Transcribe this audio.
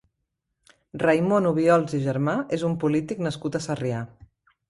Raimon Obiols i Germà és un polític nascut a Sarrià.